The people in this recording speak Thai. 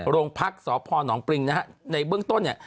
โรงพรรคสพนปริงในเบื้องต้นเนี่ย